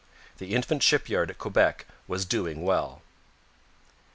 The infant shipyard at Quebec was doing well.